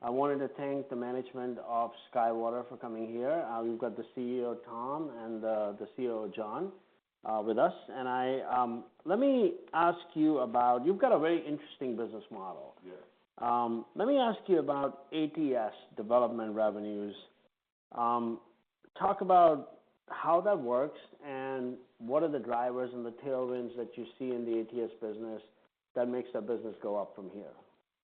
I wanted to thank the management of SkyWater for coming here. We've got the CEO, Tom, and the COO, John, with us. And I, let me ask you about. You've got a very interesting business model. Yes. Let me ask you about ATS development revenues. Talk about how that works, and what are the drivers and the tailwinds that you see in the ATS business that makes that business go up from here?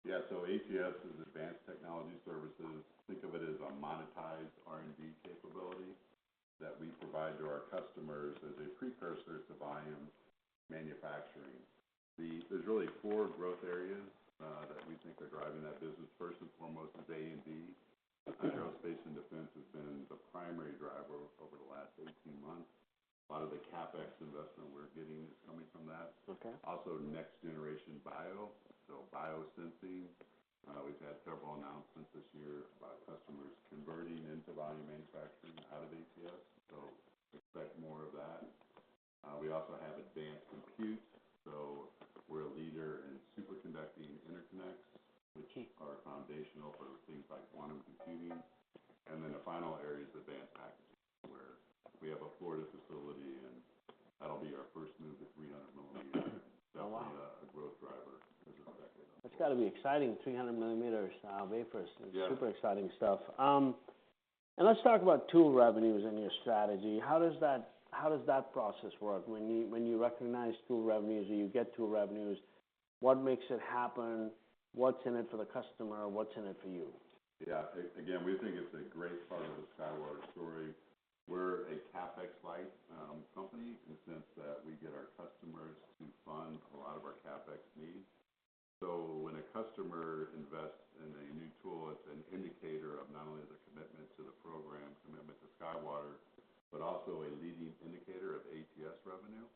Yeah, so ATS is Advanced Technology Services. Think of it as a monetized R&D capability that we provide to our customers as a precursor to volume manufacturing. There's really four growth areas that we think are driving that business. First and foremost, is A&D. Okay. Aerospace and Defense has been the primary driver over the last eighteen months. A lot of the CapEx investment we're getting is coming from that. Okay. Also, next generation bio, so biosensing. We've had several announcements this year about customers converting into volume manufacturing out of ATS, so expect more of that. We also have advanced compute. So we're a leader in superconducting interconnects- Okay -which are foundational for things like quantum computing. And then the final area is advanced packaging, where we have a Florida facility, and that'll be our first move to 300 millimeters. Oh, wow! Definitely a growth driver as we get- That's got to be exciting, 300 millimeters wafers. Yeah. Super exciting stuff. Let's talk about tool revenues and your strategy. How does that process work? When you recognize tool revenues or you get tool revenues, what makes it happen? What's in it for the customer? What's in it for you? Yeah. Again, we think it's a great part of the SkyWater story. We're a CapEx-light company, in the sense that we get our customers to fund a lot of our CapEx needs. So when a customer invests in a new tool, it's an indicator of not only the commitment to the program, commitment to SkyWater, but also a leading indicator of ATS revenue.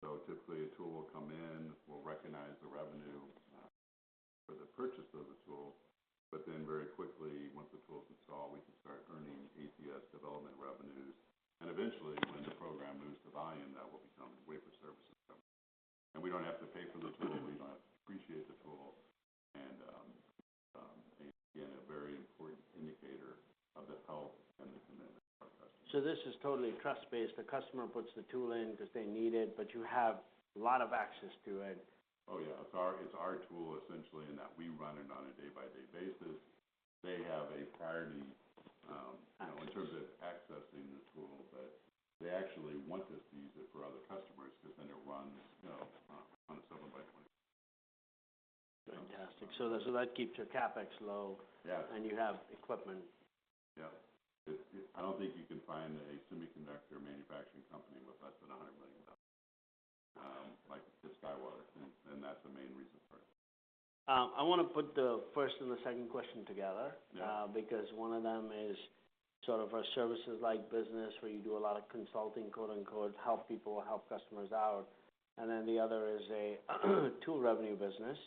So typically, a tool will come in, we'll recognize the revenue for the purchase of the tool, but then very quickly, once the tool's installed, we can start earning ATS development revenues. And eventually, when the program moves to volume, that will become wafer services revenue. And we don't have to pay for the tool. We don't appreciate the tool. And again, a very important indicator of the health and the commitment of our customers. So this is totally trust-based. The customer puts the tool in because they need it, but you have a lot of access to it. Oh, yeah. It's our tool, essentially, in that we run it on a day-by-day basis. They have a priority. Access... you know, in terms of accessing the tool. But they actually want us to use it for other customers, because then it runs, you know, on a seven-by-twenty-four. Fantastic. So that keeps your CapEx low. Yeah. You have equipment. Yeah. It. I don't think you can find a semiconductor manufacturing company with less than $100 million, like, just SkyWater, and that's the main reason for it. I wanna put the first and the second question together. Yeah... because one of them is sort of a services-like business, where you do a lot of consulting, quote, unquote, "help people or help customers out," and then the other is a tool revenue business.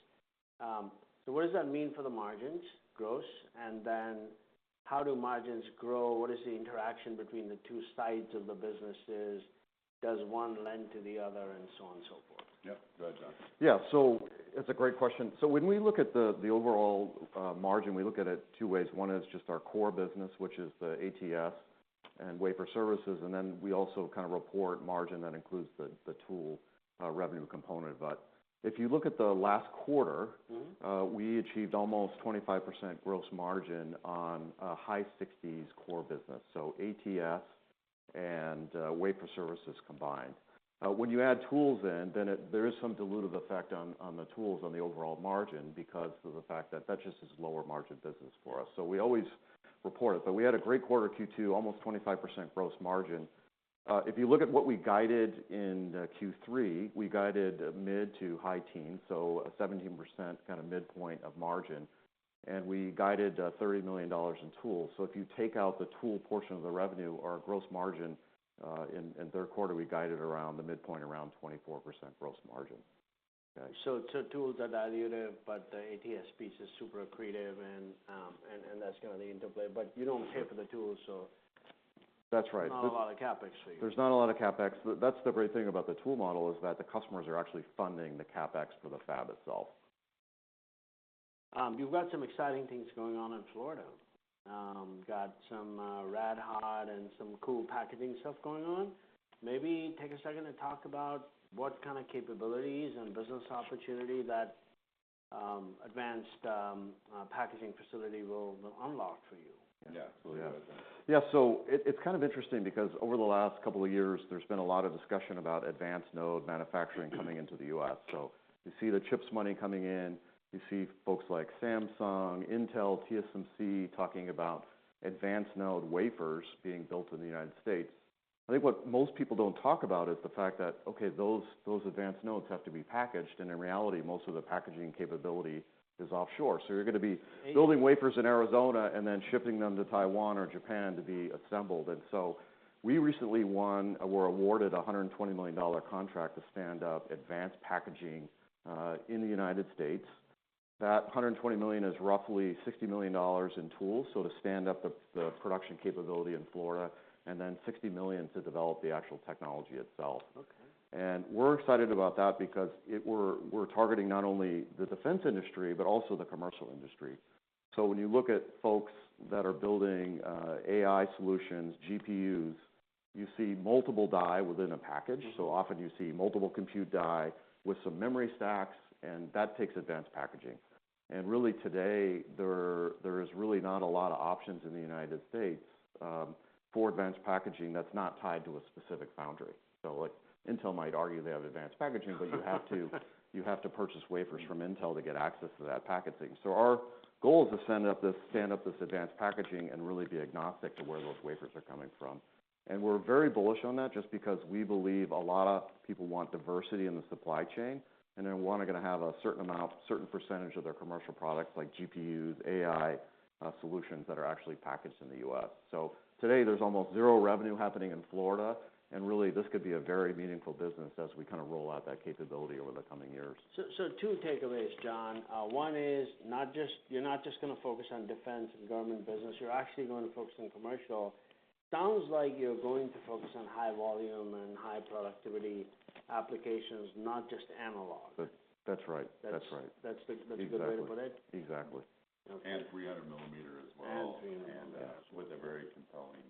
So what does that mean for the margins, gross? And then, how do margins grow? What is the interaction between the two sides of the businesses? Does one lend to the other, and so on and so forth? Yeah. Go ahead, John. Yeah, so it's a great question. So when we look at the overall margin, we look at it two ways. One is just our core business, which is the ATS and wafer services, and then we also kind of report margin that includes the tool revenue component. But if you look at the last quarter- Mm-hmm... we achieved almost 25% gross margin on a high six figures core business, so ATS and wafer services combined. When you add tools in, then there is some dilutive effect on the tools, on the overall margin, because of the fact that that just is lower margin business for us, so we always report it. But we had a great quarter Q2, almost 25% gross margin. If you look at what we guided in Q3, we guided mid- to high-teens, so a 17% kind of midpoint of margin, and we guided $30 million in tools. So if you take out the tool portion of the revenue, our gross margin in third quarter, we guided around the midpoint, around 24% gross margin. So, tools are dilutive, but the ATS piece is super accretive, and that's kind of the interplay. But you don't pay for the tools, so... That's right. Not a lot of CapEx for you. There's not a lot of CapEx. That's the great thing about the tool model, is that the customers are actually funding the CapEx for the fab itself. You've got some exciting things going on in Florida. Got some rad-hard and some cool packaging stuff going on. Maybe take a second and talk about what kind of capabilities and business opportunity that advanced packaging facility will unlock for you? Yeah. Yeah. So it's kind of interesting because over the last couple of years, there's been a lot of discussion about advanced node manufacturing coming into the U.S. So you see the CHIPS money coming in, you see folks like Samsung, Intel, TSMC, talking about advanced node wafers being built in the United States. I think what most people don't talk about is the fact that, okay, those advanced nodes have to be packaged, and in reality, most of the packaging capability is offshore. So you're gonna be building wafers in Arizona and then shipping them to Taiwan or Japan to be assembled. And so we recently were awarded a $120 million contract to stand up advanced packaging in the United States. That $120 million is roughly $60 million in tools, so to stand up the production capability in Florida, and then $60 million to develop the actual technology itself. Okay. And we're excited about that because it. We're targeting not only the defense industry, but also the commercial industry. So when you look at folks that are building AI solutions, GPUs, you see multiple die within a package. So often you see multiple compute die with some memory stacks, and that takes advanced packaging. And really, today, there is really not a lot of options in the United States for advanced packaging that's not tied to a specific foundry. So, like, Intel might argue they have advanced packaging, but you have to purchase wafers from Intel to get access to that packaging. So our goal is to stand up this advanced packaging and really be agnostic to where those wafers are coming from. And we're very bullish on that, just because we believe a lot of people want diversity in the supply chain, and they're, one, gonna have a certain amount, certain percentage of their commercial products, like GPUs, AI solutions, that are actually packaged in the U.S. So today, there's almost zero revenue happening in Florida, and really, this could be a very meaningful business as we kind of roll out that capability over the coming years. So, two takeaways, John. One is not just, you're not just gonna focus on defense and government business, you're actually going to focus on commercial. Sounds like you're going to focus on high volume and high productivity applications, not just analog. That's right. That's right. That's a good way to put it? Exactly. Okay. 300 mm as well. 300 millimeter. And with a very compelling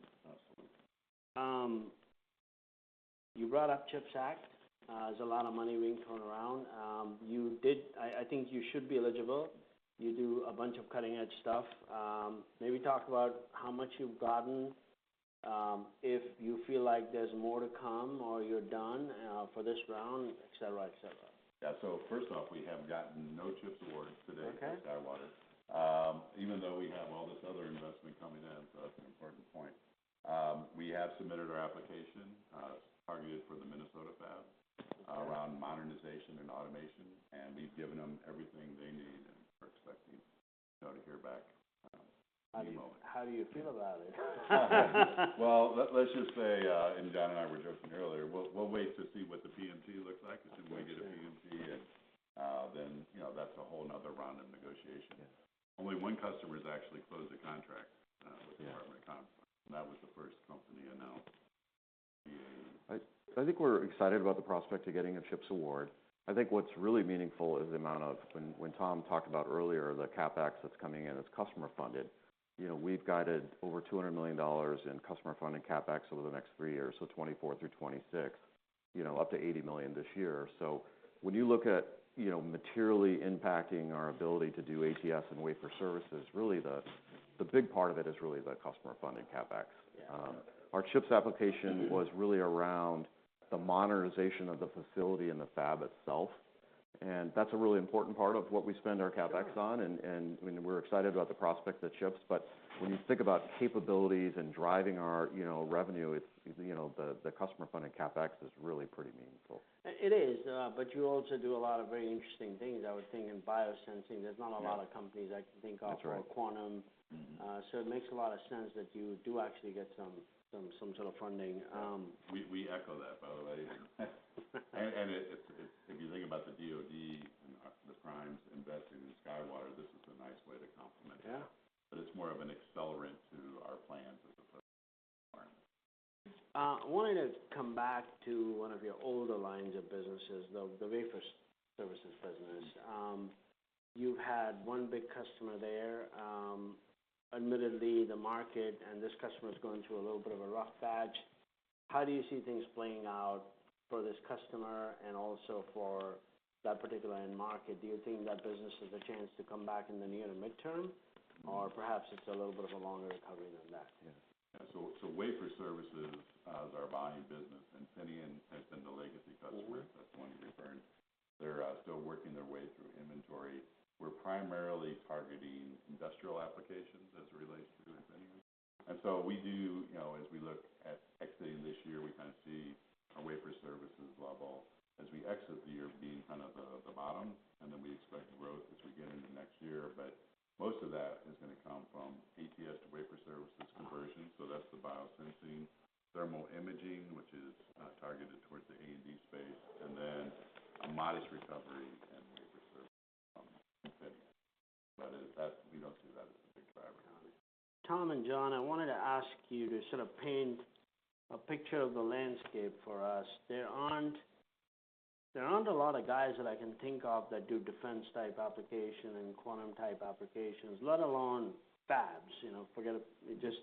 solution. You brought up CHIPS Act. There's a lot of money being thrown around. I think you should be eligible. You do a bunch of cutting-edge stuff. Maybe talk about how much you've gotten, if you feel like there's more to come, or you're done, for this round, et cetera. Yeah. So first off, we have gotten no CHIPS awards today- Okay... for SkyWater. Even though we have all this other investment coming in, so that's an important point. We have submitted our application, targeted for the Minnesota fab- Okay -around modernization and automation, and we've given them everything they need and are expecting now to hear back any moment. How do you feel about it? Let's just say, and John and I were joking earlier. We'll wait to see what the PMT looks like. That's right. As soon as we get a PMT, then, you know, that's a whole other round of negotiations. Yeah. Only one customer has actually closed a contract. Yeah -with the Department of Defense, and that was the first company announced. I think we're excited about the prospect of getting a CHIPS award. I think what's really meaningful is the amount of... When Tom talked about earlier, the CapEx that's coming in, it's customer funded. You know, we've guided over $200 million in customer funded CapEx over the next three years, so 2024 through 2026. You know, up to $80 million this year. So when you look at, you know, materially impacting our ability to do ATS and wafer services, really, the big part of it is really the customer funding CapEx. Yeah. Our CHIPS application was really around the modernization of the facility and the fab itself, and that's a really important part of what we spend our CapEx on. Sure. I mean, we're excited about the prospect of the CHIPS, but when you think about capabilities and driving our, you know, revenue, it's, you know, the customer funding CapEx is really pretty meaningful. It is, but you also do a lot of very interesting things. I was thinking biosensing- Yeah... there's not a lot of companies I can think of- That's right... for quantum. Mm-hmm. So it makes a lot of sense that you do actually get some sort of funding. We echo that, by the way, and if you think about the DoD and the primes investing in SkyWater, this is a nice way to complement it. Yeah. But it's more of an accelerant to our plans as opposed to. I wanted to come back to one of your older lines of businesses, the Wafer Services business. You've had one big customer there. Admittedly, the market and this customer is going through a little bit of a rough patch. How do you see things playing out for this customer and also for that particular end market? Do you think that business has a chance to come back in the near to midterm? Mm-hmm. Or perhaps it's a little bit of a longer recovery than that? Yeah. Wafer services is our volume business, and Infineon has been the legacy customer- Mm-hmm... that's the one you referred. They're still working their way through inventory. We're primarily targeting industrial applications as it relates to the inventory. And so we do, you know, as we look at exiting this year, we kind of see our wafer services level as we exit the year, being kind of the bottom, and then we expect growth as we get into next year. But most of that is gonna come from ATS to wafer services conversion, so that's the biosensing, thermal imaging, which is targeted towards the A&D space, and then a modest recovery in wafer service, but that we don't see that as a big driver now. Tom and John, I wanted to ask you to sort of paint a picture of the landscape for us. There aren't a lot of guys that I can think of that do defense-type application and quantum-type applications, let alone fabs. You know,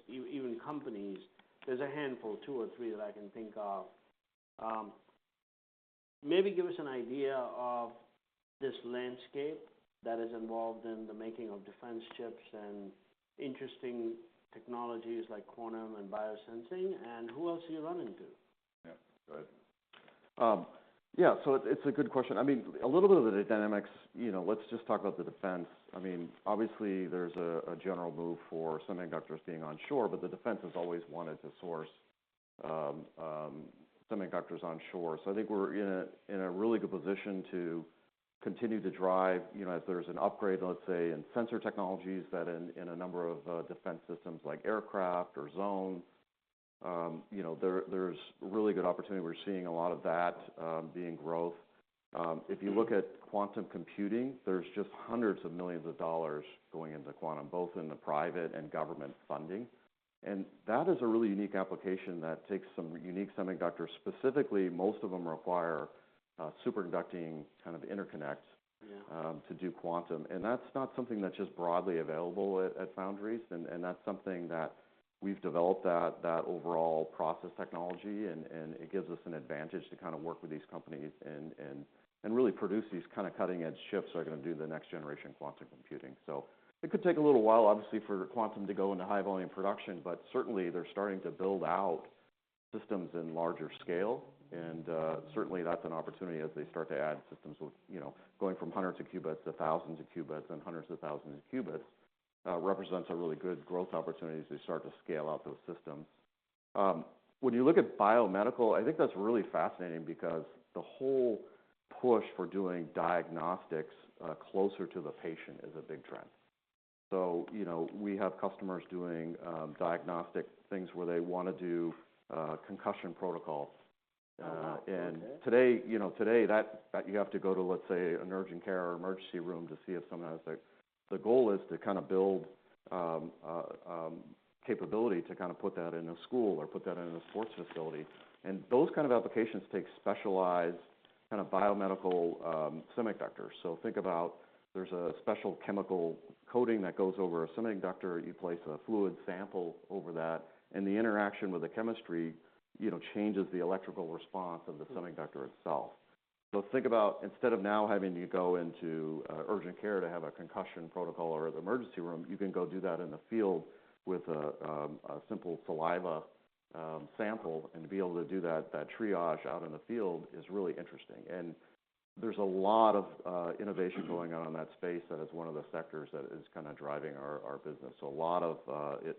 even companies, there's a handful, two or three, that I can think of. Maybe give us an idea of this landscape that is involved in the making of defense chips and interesting technologies like quantum and biosensing, and who else are you running into? Yeah, go ahead. Yeah, so it's a good question. I mean, a little bit of the dynamics, you know, let's just talk about the defense. I mean, obviously, there's a general move for semiconductors being onshore, but the defense has always wanted to source semiconductors onshore. So I think we're in a really good position to continue to drive, you know, if there's an upgrade, let's say, in sensor technologies, that in a number of defense systems like aircraft or drones, you know, there, there's really good opportunity. We're seeing a lot of that being growth... If you look at quantum computing, there's just hundreds of millions of dollars going into quantum, both in the private and government funding. And that is a really unique application that takes some unique semiconductors. Specifically, most of them require superconducting, kind of, interconnect- Yeah To do quantum, and that's not something that's just broadly available at foundries. That's something that we've developed, that overall process technology, and it gives us an advantage to kind of work with these companies and really produce these kind of cutting-edge chips that are gonna do the next generation quantum computing. So it could take a little while, obviously, for quantum to go into high-volume production, but certainly they're starting to build out systems in larger scale. Certainly that's an opportunity as they start to add systems with you know going from hundreds of qubits to thousands of qubits, and hundreds of thousands of qubits represents a really good growth opportunity as they start to scale out those systems. When you look at biomedical, I think that's really fascinating because the whole push for doing diagnostics closer to the patient is a big trend. So, you know, we have customers doing diagnostic things, where they wanna do concussion protocol. Oh, okay. Today, you know, today, that you have to go to, let's say, an urgent care or emergency room to see if someone has a... The goal is to kind of build capability to kind of put that in a school or put that in a sports facility. And those kind of applications take specialized, kind of, biomedical semiconductors. So think about there's a special chemical coating that goes over a semiconductor. You place a fluid sample over that, and the interaction with the chemistry, you know, changes the electrical response of the semiconductor itself. So think about instead of now having to go into urgent care to have a concussion protocol or the emergency room, you can go do that in the field with a simple saliva sample, and to be able to do that, that triage out in the field is really interesting. And there's a lot of innovation going on in that space. That is one of the sectors that is kind of driving our business. So a lot of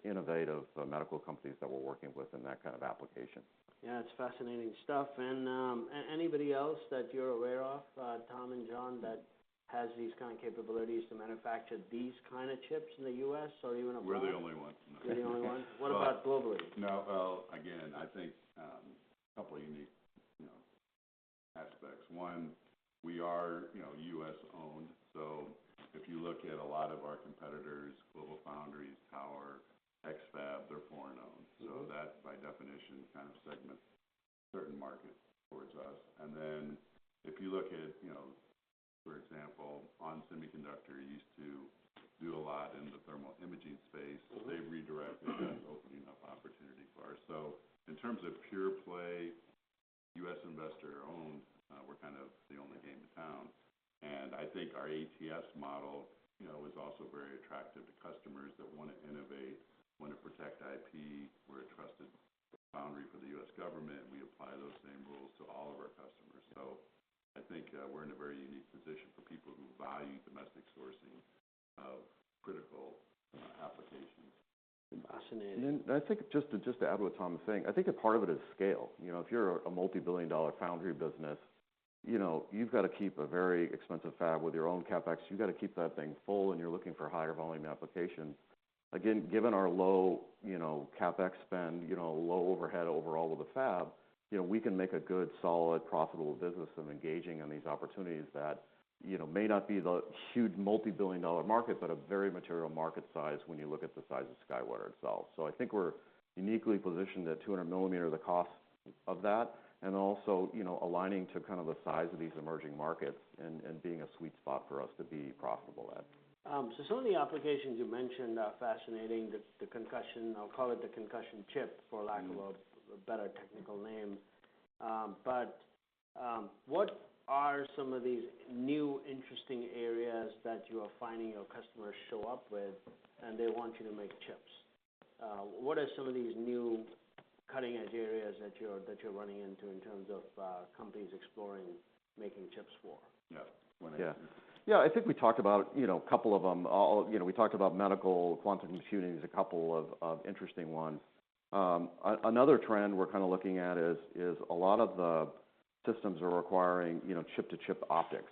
innovative medical companies that we're working with in that kind of application. Yeah, it's fascinating stuff. And, anybody else that you're aware of, Tom and John, that has these kind of capabilities to manufacture these kind of chips in the U.S., or are you in a- We're the only ones. You're the only ones? What about globally? No, well, again, I think, a couple unique, you know, aspects. One, we are, you know, U.S.-owned. So if you look at a lot of our competitors, GlobalFoundries, Tower, X-FAB, they're foreign-owned. Mm-hmm. So that, by definition, kind of segments certain markets towards us. And then, if you look at, you know, for example, onsemi used to do a lot in the thermal imaging space. Mm-hmm. They've redirected, that's opening up opportunity for us. So in terms of pure play, U.S. investor-owned, we're kind of the only game in town. And I think our ATS model, you know, is also very attractive to customers that wanna innovate, wanna protect IP. We're a trusted foundry for the U.S. government, and we apply those same rules to all of our customers. So I think, we're in a very unique position for people who value domestic sourcing of critical, applications. Fascinating. I think just to add what Tom was saying, I think a part of it is scale. You know, if you're a multi-billion dollar foundry business, you know, you've got to keep a very expensive fab with your own CapEx. You've got to keep that thing full, and you're looking for higher volume applications. Again, given our low, you know, CapEx spend, you know, low overhead overall of the fab, you know, we can make a good, solid, profitable business of engaging in these opportunities that, you know, may not be the huge multi-billion dollar market, but a very material market size when you look at the size of SkyWater itself. So, I think we're uniquely positioned at 200 mm, the cost of that, and also, you know, aligning to kind of the size of these emerging markets and being a sweet spot for us to be profitable at. So some of the applications you mentioned are fascinating. The concussion, I'll call it the concussion chip, for lack of a- Mm Better technical name. What are some of these new interesting areas that you are finding your customers show up with, and they want you to make chips? What are some of these new cutting-edge areas that you're running into in terms of companies exploring making chips for? Yeah. Yeah. Yeah, I think we talked about, you know, a couple of them. You know, we talked about medical, quantum computing as a couple of interesting ones. Another trend we're kind of looking at is a lot of the systems are requiring, you know, chip-to-chip optics.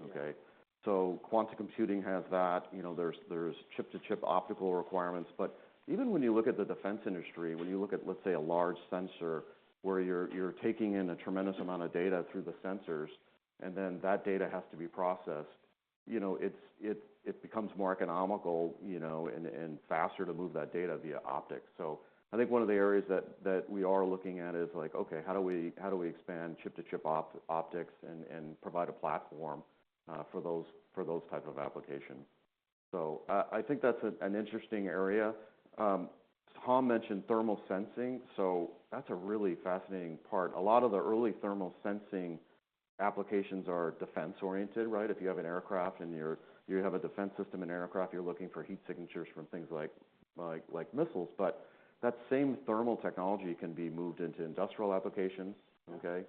Yeah. Okay? So quantum computing has that. You know, there's chip-to-chip optical requirements. But even when you look at the defense industry, when you look at, let's say, a large sensor, where you're taking in a tremendous amount of data through the sensors, and then that data has to be processed, you know, it becomes more economical, you know, and faster to move that data via optics. So I think one of the areas that we are looking at is like, okay, how do we expand chip-to-chip optics and provide a platform for those type of applications? So I think that's an interesting area. Tom mentioned thermal sensing, so that's a really fascinating part. A lot of the early thermal sensing applications are defense-oriented, right? If you have an aircraft and you have a defense system and aircraft, you're looking for heat signatures from things like missiles, but that same thermal technology can be moved into industrial applications, okay?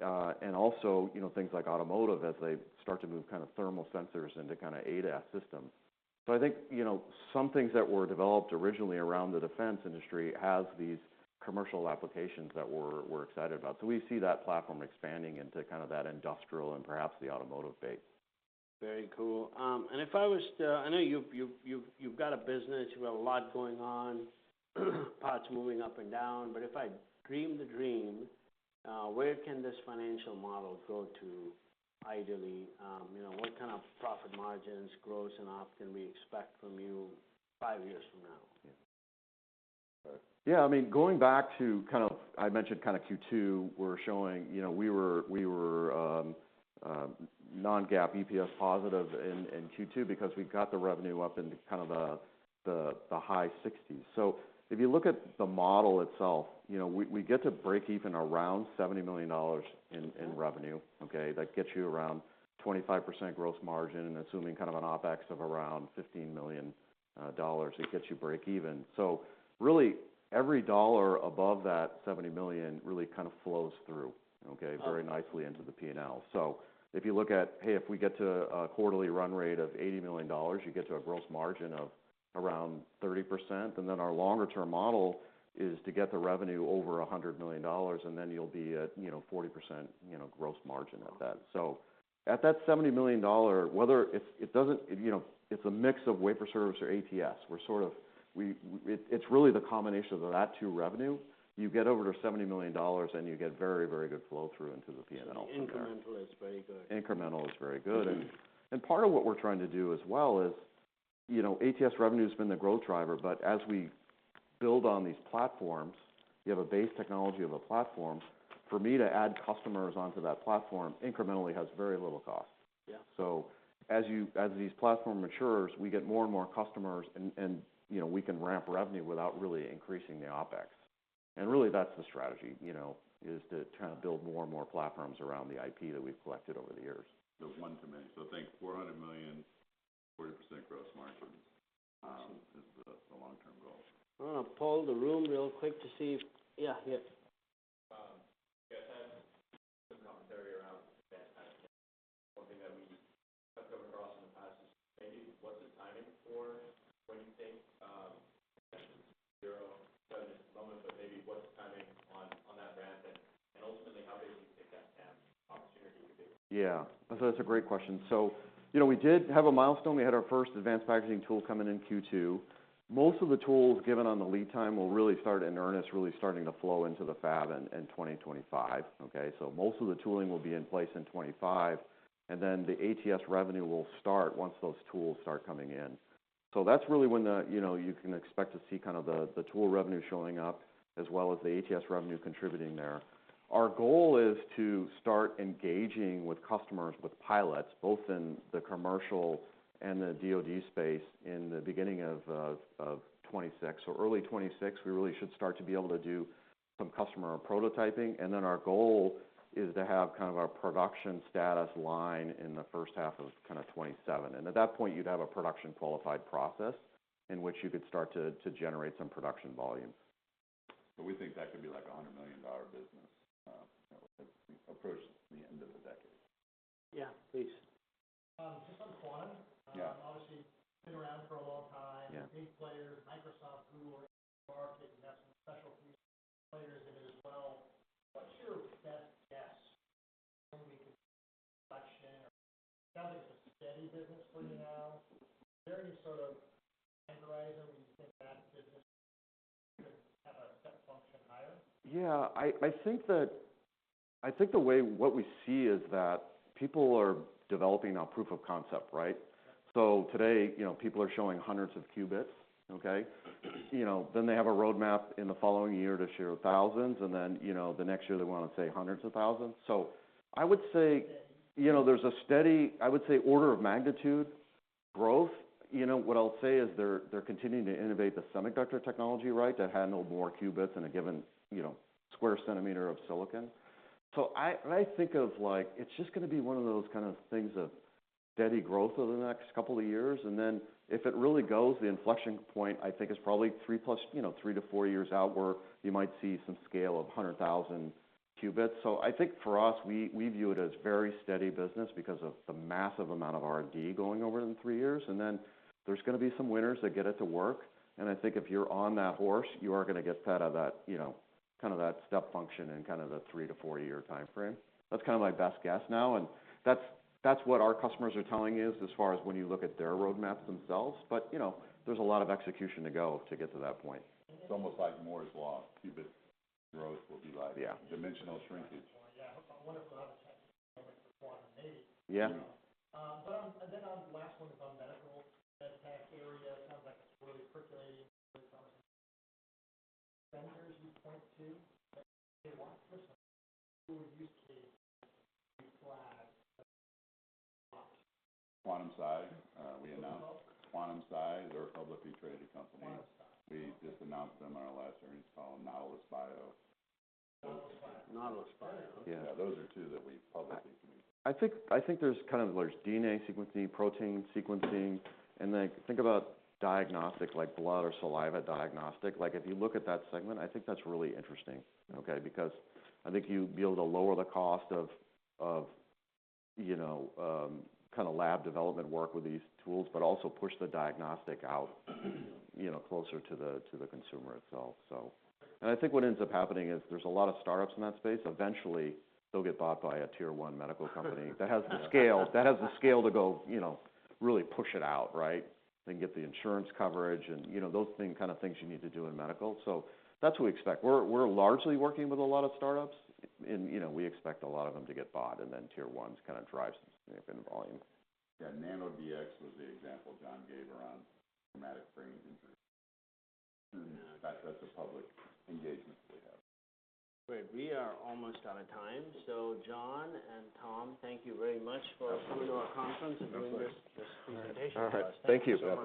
Yeah. And also, you know, things like automotive, as they start to move kind of thermal sensors into kind of ADAS systems, so I think, you know, some things that were developed originally around the defense industry has these commercial applications that we're excited about, so we see that platform expanding into kind of that industrial and perhaps the automotive space.... Very cool. And if I was to, I know you've got a business, you have a lot going on, parts moving up and down. But if I dream the dream, where can this financial model go to ideally? You know, what kind of profit margins, gross and op, can we expect from you five years from now? Yeah. Yeah, I mean, going back to kind of... I mentioned kind of Q2, we're showing, you know, we were non-GAAP EPS positive in Q2 because we got the revenue up into kind of the high sixties. So if you look at the model itself, you know, we get to break even around $70 million in revenue, okay? That gets you around 25% gross margin, and assuming kind of an OpEx of around $15 million dollars, it gets you break even. So really, every dollar above that $70 million really kind of flows through, okay, very nicely into the P&L. So if you look at, hey, if we get to a quarterly run rate of $80 million, you get to a gross margin of around 30%. And then our longer term model is to get the revenue over $100 million, and then you'll be at, you know, 40%, you know, gross margin at that. So at that $70 million, whether it's, it doesn't, you know, it's a mix of wafer service or ATS. We're sort of, we, it, it's really the combination of that two revenue. You get over to $70 million, and you get very, very good flow-through into the P&L from there. Incremental is very good. Incremental is very good. And, and part of what we're trying to do as well is, you know, ATS revenue's been the growth driver, but as we build on these platforms, you have a base technology of a platform. For me to add customers onto that platform incrementally has very little cost. Yeah. So as these platform matures, we get more and more customers, and, you know, we can ramp revenue without really increasing the OpEx. And really, that's the strategy, you know, is to try to build more and more platforms around the IP that we've collected over the years. There's one too many, so I think $400 million, 40% gross margin, is the long-term goal. I'm gonna poll the room real quick to see if... Yeah, yeah. Yeah, I have some commentary around that kind of thing. One thing that we've come across in the past is maybe what's the timing for when you think seven moments, but maybe what's the timing on that ramp, and ultimately, how big we take that opportunity to do? Yeah, so that's a great question. So, you know, we did have a milestone. We had our first advanced packaging tool coming in Q2. Most of the tools given on the lead time will really start in earnest, really starting to flow into the fab in 2025, okay? So most of the tooling will be in place in 2025, and then the ATS revenue will start once those tools start coming in. So that's really when the, you know, you can expect to see kind of the, the tool revenue showing up, as well as the ATS revenue contributing there. Our goal is to start engaging with customers, with pilots, both in the commercial and the DoD space, in the beginning of 2026. So early 2026, we really should start to be able to do some customer prototyping, and then our goal is to have kind of a production status line in the first half of kind of 2027. And at that point, you'd have a production qualified process in which you could start to generate some production volume. We think that could be like a $100 million business approaching the end of the decade. Yeah, please. Just on quantum. Yeah. Obviously, been around for a long time. Yeah. Big players, Microsoft, who are marketing, have some special players in it as well. What's your best guess when we collect a steady business for you now? Is there any sort of anchor item you think that business have a set function higher? Yeah, I think the way what we see is that people are developing a proof of concept, right? So today, you know, people are showing hundreds of qubits, okay? You know, then they have a roadmap in the following year to share thousands, and then, you know, the next year, they want to say hundreds of thousands. So I would say, you know, there's a steady, I would say, order of magnitude growth. You know, what I'll say is they're continuing to innovate the semiconductor technology, right? To handle more qubits in a given, you know, square centimeter of silicon. So I think of like, it's just gonna be one of those kind of things of steady growth over the next couple of years, and then if it really goes, the inflection point, I think is probably three plus, you know, three to four years out, where you might see some scale of a hundred thousand qubits. So I think for us, we view it as very steady business because of the massive amount of R&D going over in three years, and then there's gonna be some winners that get it to work, and I think if you're on that horse, you are gonna get paid of that, you know, kind of that step function in kind of the three to four-year timeframe. That's kind of my best guess now, and that's, that's what our customers are telling us as far as when you look at their roadmaps themselves. But, you know, there's a lot of execution to go to get to that point. It's almost like Moore's Law, qubit growth will be like- Yeah... dimensional shrinkage. Yeah, I wonder what other quantum maybe. Yeah. But on and then on the last one is on medical, that tech area. It sounds like it's really percolating some centers you point to. What personal use case class? Quantum-Si, we announced Quantum-Si. They're a publicly traded company. Yeah. We just announced them in our last earnings call, Nautilus Bio. Nautilus Bio. Yeah. Those are two that we publicly- I think there's kind of large DNA sequencing, protein sequencing, and then think about diagnostics like blood or saliva diagnostics. Like, if you look at that segment, I think that's really interesting, okay? Because I think you'll be able to lower the cost of you know, kind of lab development work with these tools, but also push the diagnostic out, you know, closer to the consumer itself, so. I think what ends up happening is there's a lot of startups in that space. Eventually, they'll get bought by a tier one medical company that has the scale to go, you know, really push it out, right? Then get the insurance coverage and, you know, those things, kind of things you need to do in medical. So that's what we expect. We're largely working with a lot of startups and, you know, we expect a lot of them to get bought, and then tier ones kind of drive significant volume. Yeah, NanoDx was the example John gave around traumatic brain injury. That's a public engagement we have. Great. We are almost out of time, so John and Tom, thank you very much for coming to our conference. Thanks... and doing this, this presentation. All right. Thank you. We appreciate it.